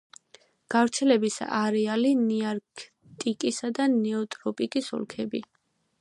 გავრცელების არეალი ნეარქტიკის და ნეოტროპიკის ოლქები.